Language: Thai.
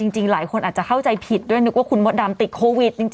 หลายคนอาจจะเข้าใจผิดด้วยนึกว่าคุณมดดำติดโควิดจริง